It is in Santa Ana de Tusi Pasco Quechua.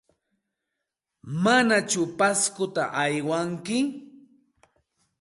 ¿Manaku Pascota aywanki?